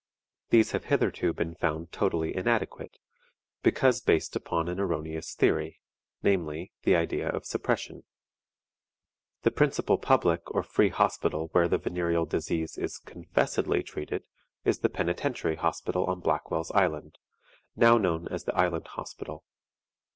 These have hitherto been found totally inadequate, because based upon an erroneous theory, namely, the idea of suppression. The principal public or free hospital where the venereal disease is confessedly treated is the Penitentiary Hospital on Blackwell's Island, now known as the Island Hospital.